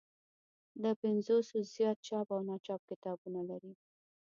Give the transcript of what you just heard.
له پنځوسو زیات چاپ او ناچاپ کتابونه لري.